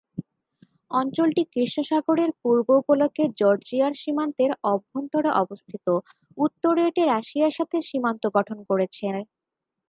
অঞ্চলটি কৃষ্ণ সাগরের পূর্ব উপকূলে জর্জিয়ার সীমান্তের অভ্যন্তরে অবস্থিত; উত্তরে এটি রাশিয়ার সাথে সীমান্ত গঠন করেছে।